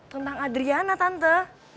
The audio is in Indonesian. tentang adriana tante